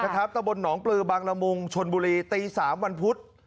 ตะบนหนองปลือบางละมุงชนบุรีตี๓วันพุธ